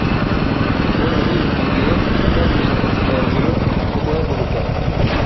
Ubwo nariyumviriye ndangije mfata umwanzuro wo guhaguruka,